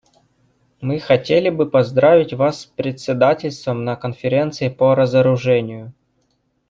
Мы хотели бы поздравить вас с председательством на Конференции по разоружению.